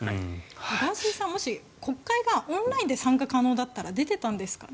ガーシーさんはもし、国会がオンラインで参加可能だったら出てたんですかね？